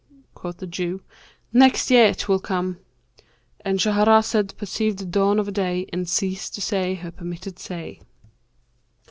Quoth the Jew, 'Next year 'twill come.' "—And Shahrazed perceived the dawn of day and ceased to say her permitted say.